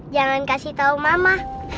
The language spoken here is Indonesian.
jangan kasih tau mama